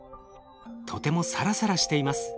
とてもサラサラしています。